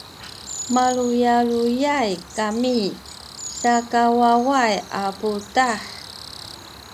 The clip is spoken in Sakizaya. maluyaluyay kami sikawaway a puduh